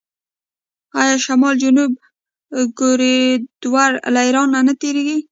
آیا شمال جنوب کوریډور له ایران نه تیریږي؟